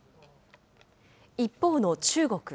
一方の中国。